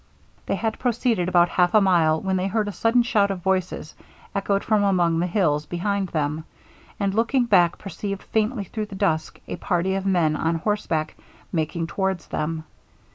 They had proceeded about half a mile, when they heard a sudden shout of voices echoed from among the hills behind them; and looking back perceived faintly through the dusk a party of men on horseback making towards them.